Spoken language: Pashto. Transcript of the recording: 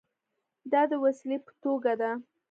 دا د وسیلې په توګه ده.